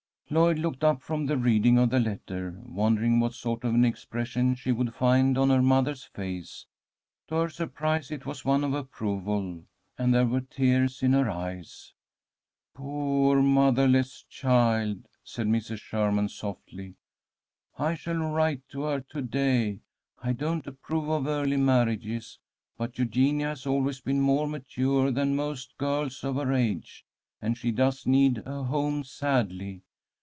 '" Lloyd looked up from the reading of the letter, wondering what sort of an expression she would find on her mother's face. To her surprise, it was one of approval, and there were tears in her eyes. "Poor motherless child!" said Mrs. Sherman, softly. "I shall write to her to day. I don't approve of early marriages, but Eugenia has always been more mature than most girls of her age, and she does need a home sadly.